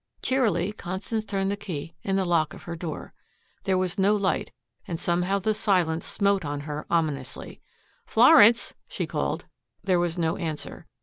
Cheerily, Constance turned the key in the lock of her door. There was no light and somehow the silence smote on her ominously. "Florence!" she called. There was no answer.